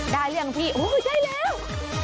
ได้เรียนพี่โฮก่อนแล้ว